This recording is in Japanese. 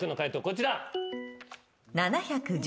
こちら。